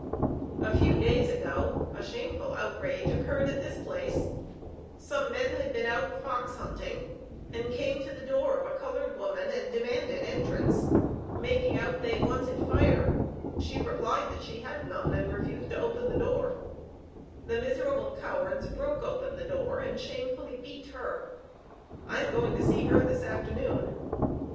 A few days ago a shameful outrage occurred at this place some men had been out fox hunting, and came to the door of a colored woman and demanded entrance, making out they wanted fire; she replied that she had none, and refused to open the door; the miserable cowards broke open the door, and shamefully beat her. I am going to see her this afternoon.